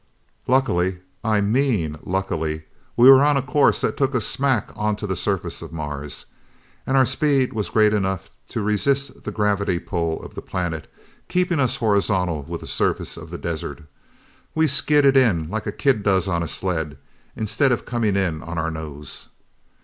"Luckily and I mean luckily, we were on a course that took us smack onto the surface of Mars. And our speed was great enough to resist the gravity pull of the planet, keeping us horizontal with the surface of the desert. We skidded in like a kid does on a sled, instead of coming in on our nose!"